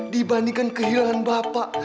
dibandingkan kehilangan bapak